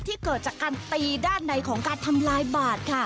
เกิดจากการตีด้านในของการทำลายบาดค่ะ